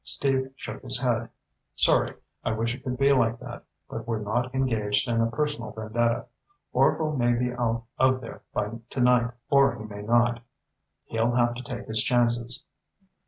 Steve shook his head. "Sorry. I wish it could be like that, but we're not engaged in a personal vendetta. Orvil may be out of there by tonight, or he may not. He'll have to take his chances."